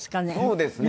そうですね。